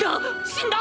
死んだ！？